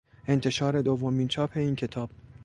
انتشار دومین چاپ این کتاب